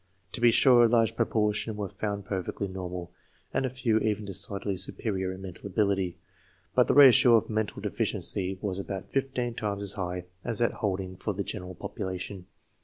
To be sure, a large proportion were found perfectly normal, and a few even decidedly superior in mental ability, but the ratio of mental deficiency was about fifteen times as high as that holding for the general population.